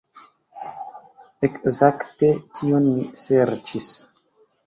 Ekzakte tion mi serĉis.